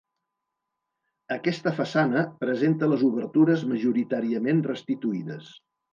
Aquesta façana presenta les obertures majoritàriament restituïdes.